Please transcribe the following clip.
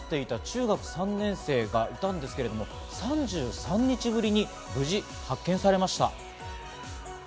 行方不明となっていた中学３年生がいたんですけれども、３３日ぶりに無事発見されました。